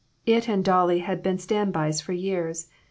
It and Dolly had been standbys for years.